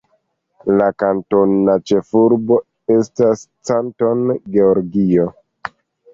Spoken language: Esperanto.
La kantona ĉefurbo estas Canton, Georgio.